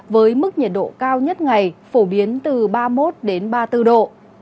với mức nhiệt độ cao nhất ngày phổ biến từ ba mươi một ba mươi bốn độ